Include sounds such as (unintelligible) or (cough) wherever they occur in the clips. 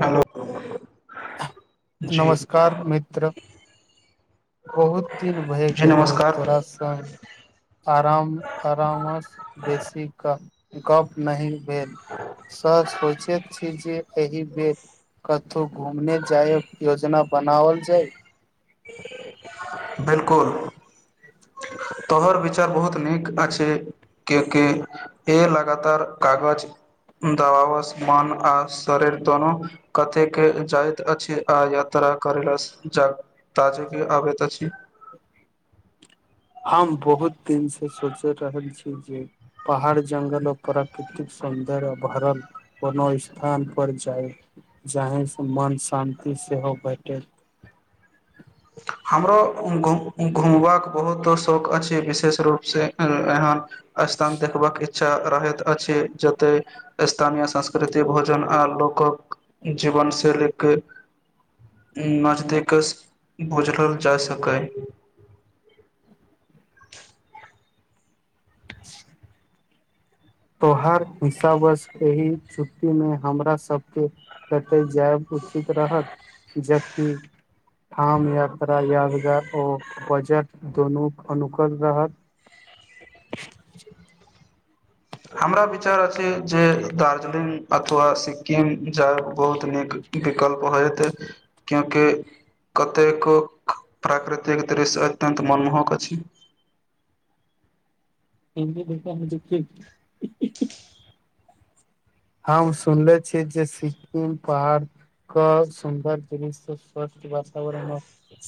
Hello जी नमस्कार मित्र बहुत दिन भए जी गेलहु नमस्कार तोराास आराम आराम सँ बेसी गप नहि भेल से सोचैत छी जे एहि बेर कतौ घूमने जाइक योजना बनावल जाई (unintelligible) बिल्कुल तोहर विचार बहुत नीक अछि। के के ए लगातार कागज दवावस मन आ शरीर दुनू कतेक जाइत अछि आ यात करेलास ज ताजग आबत छी। हम बहुत दिन से सोच रहल छी। जे पहाड़ जंगल आर प्राकृतिक सुन्दर्य आ भरल कोनो स्थान पर जाय जाहे से मौन शान्ति सेहो बैटेल (unintelligible) हमरो घुम घुम घुमबाक बहुत शौक अछि विशेष रूपसे एहन स्थान देखबके इच्छा रहैत अछि। जतय स्थानीय संस्कृति भोजन आ लोकक जीव (unintelligible) भोझलल जा सकय (unintelligible) तो हर हिसाबसे एहि छुट्टी मे हमरा सबके कतऽ जायब उचित रहत जबकि ठाम यात्रा यादगार ओ बजट दोनो अनुकूल रहत हमरा विचार अछि जे दार्जिलिंग अथवा सिक्किम जायब बहुत नीक विकल्प होयतै क्यूकि कतेको प्राकृतिक दृश्य अत्यन्त मनमोहक अछि (inaudible) (unintelligible) हम सुनले छी जे सिक्किम पहाड़के सुन्दर दृश्य सभ वातावरण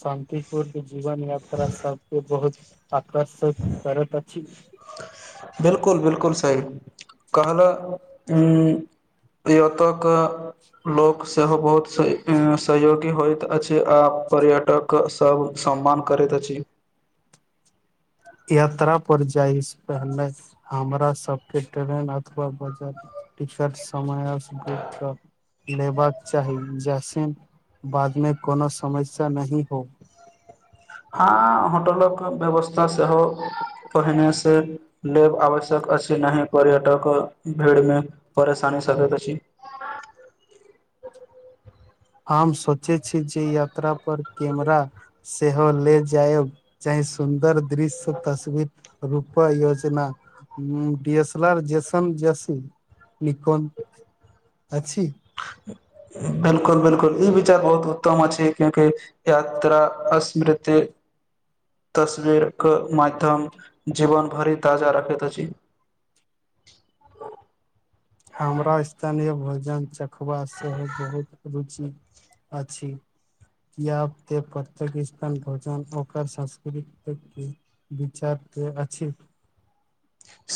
शान्तिपूर्ण जीवन यात्रा सबके बहुत आकर्षित करैत अछि। बिल्कुल बिल्कुल सही कहलौं की ओतक लोक सेहो बहुत सहयोगी होइत अछि आ पर्यटक सब सम्मान करैत अछि यात्रा पर जाइ सँ पहिनेे हमरा सबके ट्रेन अथवा बजट टिकट समय बुक कऽ लेबाक चाही जैसन बादमे कोनो समस्या नहि हो हँ होटलक व्यवस्था सेहो पहिने सँ लेब आवश्यक अछि नहि पर्यटक भीड़मे परेशानी सकैत अछि (inaudible) हम सोचैत छी जे यात्रा पर कैमरा सेहो ले जायब चाही सुन्दर दृश्य तसवीर याचना जेसन जेसी (unintelligible) लिखोन अछी बिल्कुल बिल्कुल ई विचार बहुत उत्तम अछि क्यूंकि यात्रा अस्मृत ते तस्वीरक माध्यम जीवन भरि ताजा रखैत अछि। आ (inaudible) हमरा स्थानीय भोजन चखबा सेहो बहुत रुचि अछि। कब पतिस्तान भजन ओकर सांस्कृतिक विचार। त अछी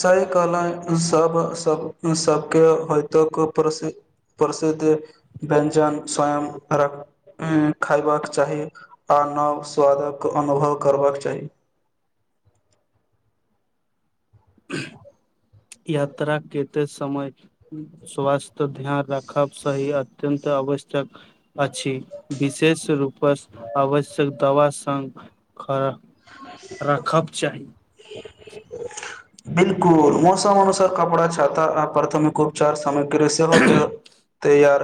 सही कहल, सब सब सभकेँ सभ समय प्रसन्नता नहि होइत अछि। प्रसिद्ध व्यञ्जन स्वयं खयबाक चाही आ नव स्वादक अनुभव करबाक चाही। यात्रा करैत समय स्वास्थ्यक ध्यान राख ब सही अत्यत आवश्यक अछि विशेष रूप। पर आवश्यक दवा संग खा राखब चाही। बिलकुल, मौसम अनुसार कपड़ा छाता आ प्राथमिक उपचार समय सेहो तऽ तैयार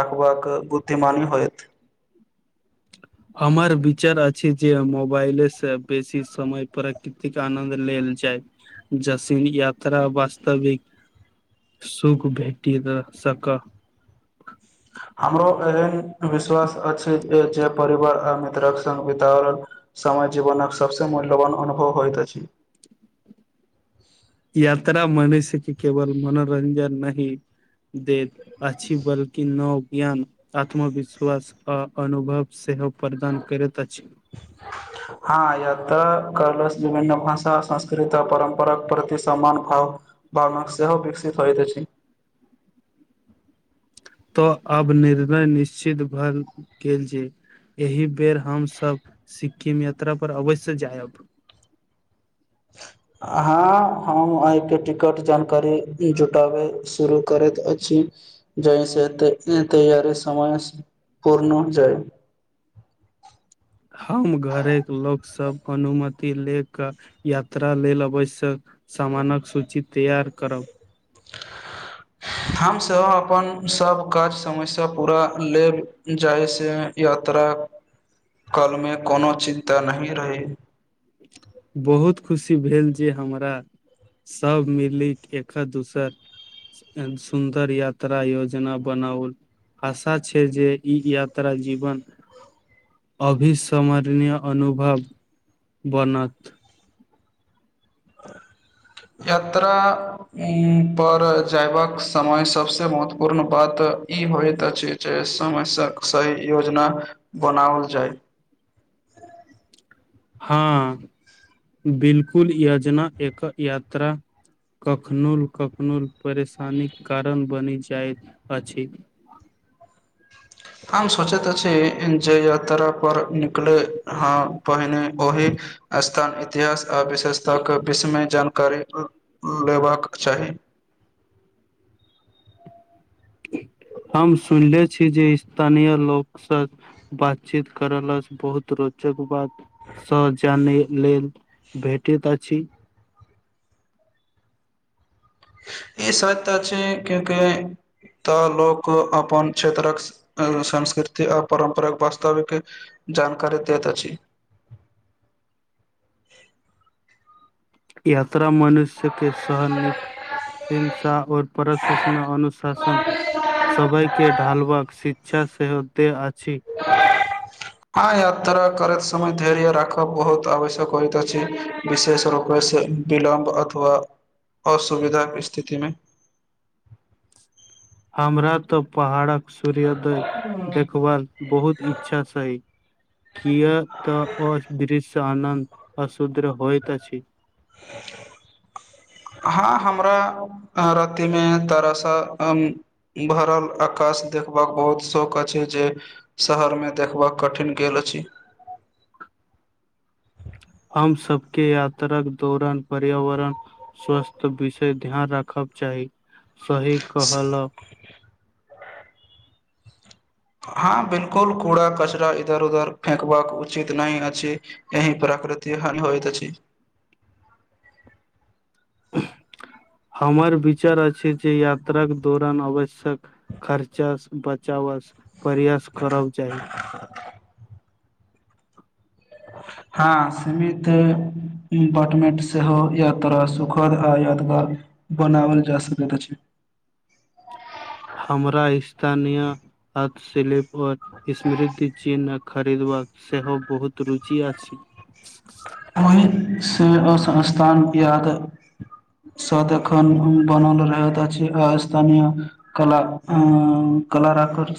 रखबाक बुद्धिमानी होयत। (inaudible) हमर विचार अछि जे मोबाइले सँ बेसी समय प्राकृतिक आनन्द लेल जाय। जसीन यात्रा वास्तविक। सुख भेटी ग सक हमरो एहन विश्वास अछि जे परिवार आ मित्रक संग बितावल। समय जीवनक सभसँ मूल्यवान अनुभव होइत अछि। यात्रा मनुष्य केँ केवल मनोरंजन नहि दैत अछि बल्कि नव ज्ञान आत्मविश्वास आ अनुभव सेहो। प्रदान करैत अछि। हँ य तऽ कलस विभिन्न भाषा संस्कृति आ परम्परााक प्रति समान भाव। बमक सेहो सेहो विकसित होइत छै। तऽ आब निर्णय निश्चित भए गेल छै। एहि बेर हमसभ सिक्किम यात्रा पर अवश्य जायब। (inaudible) हँ हम अहिके टिकट जानकारी जुटाबै शुरू करैत अछि। जाै से तैयारी समय पूर्ण हो जाइ। ह (inaudible) हम घर लोक, सब अनुमति ले क यात्रा लेल अबश। सामानक सूची तैयार करब, (inaudible) हमसभ अपन सभ काज समय से पूरा ले जाय छै य। खतरा कालमे कोनो चिन्ता नहि रहै। बहुत खुशी भेल जे हमरा, सभ मिलिक एकक दोसर। सुन्दर यात्रा योजना बनाउ, आशा छै जे ई यात्रा जीवन, अभिस्मरणय अनुभव बनत, (inaudible) यात्रा पर जयबाक समय सबसे महत्वपूर्ण बात। तऽ ई होइत अछि जे समय सँ सही योजना बनाओल जाय। (inaudible) हँ बिलकुल यजना एक यात्रा। कखनहु-कखनहु परेशानीक कारण बनि जाइत अछि। (inaudible) हम सोचैत अछि जे यात्रा पर निकले हँ पहिने ओहि स्थान इतिहास आ विशेषताके विषयमे जानकारी लेबाक चाही हम सुनले छी जे स्थानीय लोकस बातचीत कर ल से बहुत रोचक बात सँ जानय लेल भेटैत अछि। (inaudible) ई सब त छै क्युंकि तऽ लोक अपन क्षेत्रक संृ संस्कृति आ परारम्परिक वास्तविक जानकारी दैत अछि (inaudible) यात्रा मनुष्य के सहन नहि हिंसा आऔर प्रश अनुशासन सभय के ढालवा श इच्छा से होत अछि हँ यात्रा करैत समय धेर्य राखब बहुत आवश्यक होइत अछि विशेष रूप वैसे विलम्ब अथवा असुविधाके स्थितिमे (inaudible) हमरा तऽ पहाड़क सूर्योदय देखबाक बहुत इच्छा छय किया तऽ अदृश्य आनन्द अशूद्र होइत अछि (inaudible) हँ हमरा रतीमे तर सा भरल आकाश देखबाक बहुत शौक अछि जे शहर मे देखबाक कठिन गेल अछि हम सबके यात्राक दौरान पर्यावरण स्वस्थ विशेष ध्यान राखब चाही सही कहल हँ, बिलकुल कूड़ा कचराा इधर उधर फेकबाक उचित नहि अछि एहि प्र आकृति हानि होइत अछि। (inaudible) हमर विचार अछि। जे यात्राक दौरान आवश्यक खर्चा बचा प्रयास करब चाही हँ, सीमित बटमेट सेहो यात्रा सुखद आ यादगार बनाओल जा सकैत अछि। (inaudible) हथ सलीप आओर स्मृति चिन्ह खरीदबाक सेहो बहुत रुचि अछि। ओहि से असस्थान याद सत एखन बनल रहत अछि। आ स्थानी कला कला राखकर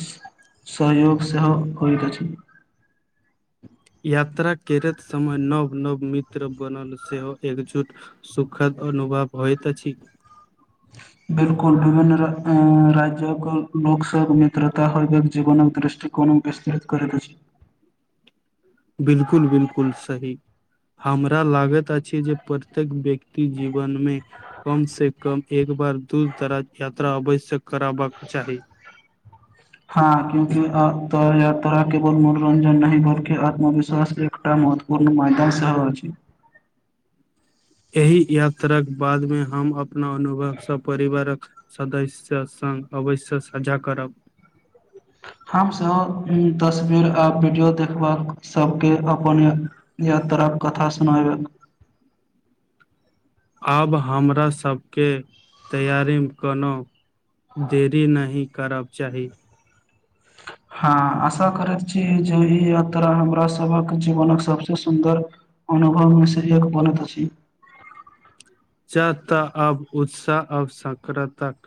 सहयोग सेहो होइत अछि। यात्रा करैत समय नव नव मित्र बनल सेहो एकजुट सुखद अनुभव होइत अछि। ह बिलकुल विभिन्न राज्य्यक लोकसँ मित्रता हो जीवनक दृष्ट कोनो विस्तृत करने छै बिलकुल बिलकुल सही हमरा लागैत अछि जे प्रत्येक व्यक्ति जीवनमे कम से कम एक बार दूर दराज यात्रा आवश्यक हँ क्यंकि अ तऽ दार केल मनोरञ्जन नहि बलकि आत्मविश्वास एकटा महत्वपूर्ण म मैदान सेहो अछि (inaudible) एहि यात्राक बादमे हम अपना अनुभवसँ परिवारक सदस्य संग अवश्य साझा करब (unintelligible) हम सेहो तस्वीर आ वीडियो देखबाक सब के अपन यात्रा कथा सुनाएब आब हमरा सबके तैयारीमे कोनो देरी नहि करब चाही (unintelligible) हाँ, आशा करैत छी, जे ई यात्रा हमरा सबक जीवनक सबसे सुन्दर अनुभवमे से एक बनैत अछी। च त अब उत्साह अब सक्रताक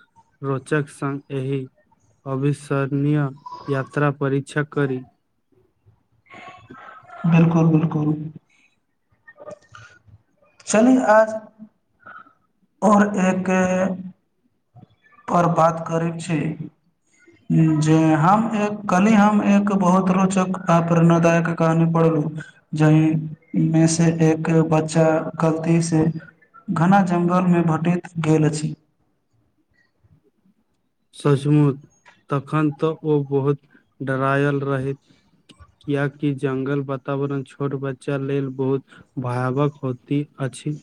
रोचक संग एहि अविश्वरणीय यात्रा परीक्षा कर बिल्कुल बिल्कुल चल आ ओर एकै पर बात करै छी। जे हम एक कल हम एक बहुत रोचक अपरणादायक कहानी पढ़ लू जहिमे से एक बच्चा क गलती से घना जंगलमे भेटैत गेल अछि सचमू तखन तऽ ओ बहुत डरायल रहैत कियकी जंगल वातावरण छोट बच्चा लेल बहुत भयावक होती अछि। पक्षी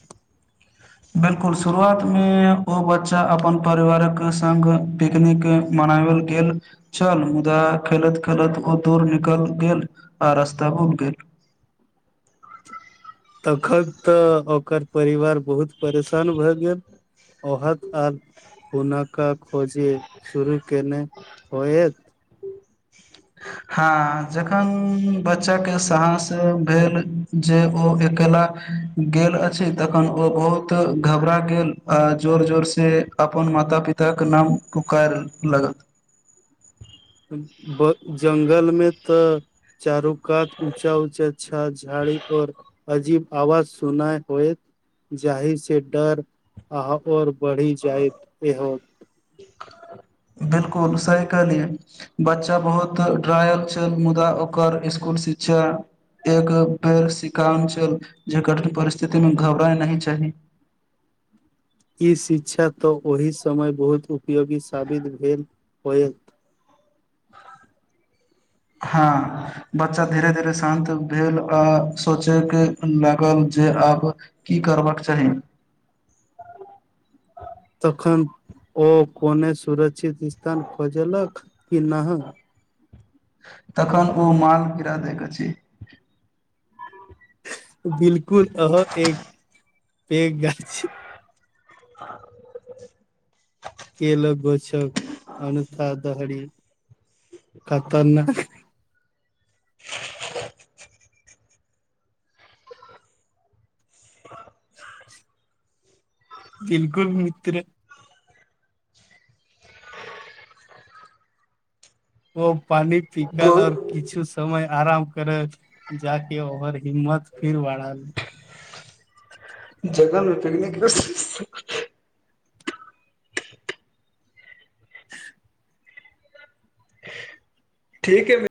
बिल्कुल शुरुआत मे ओ बच्चा अपन परिवारक संग पिकनिक मे बनाल गेल छल मुदा खेलैत खेलैत ओ दूर निकल गेल आ रस्ता पर (unintelligible) तखन तऽ ओकर परिवार बहुत परेशान भए गेल ओहद आर कोना क खोजी शुरू कने होयत (inaudible) हँ, जखन बच्चाके साहस भेल जे ओ अकेला गेल अछि तखन ओ बहुत घबरा गेल आ जोर जोर से अपन माथ माता पिता के नाम पुकार लागत ब जंगलमे तऽ चारू कात ऊँचा ऊँचा छा। झाड़ी और अजीब आवाज सुना होयत जाहि से डर आ और बढ़ि जाइत एहो (unintelligible) बिल्कुल सही कहलियै बच्चा बहुत ड्रायल छल मुदा ओकर स्कुल से शिक्षा एक बेर सिका्चल जे कठिन परिस्थिति मे घबराय नहि चाही (inaudible) ई शिक्षा तऽ ओहि समय बहुत उपयोगी साबित भेल होयत हाँ बच्चा धीरे धीरे शान्त भेल आ सोचे के लागल जे आब की करबाक चाही तखन ओ कोने सुरक्षित स्थान खोजलक कि नाह तखन ओ माल गिरा दैत अछि बिल्कुल अहाँ के एक पेघ गाछी (unintelligible) केलक गोछक अनथा दहड़ी कत ने (inaudible) (inaudible) बिलकुल मित्र ओ पानि पिकल और बहुत किछु समय आराम करत जाके ओर हिम्मत फिर बढाएल जगहमे पिकनिक ठीक है मि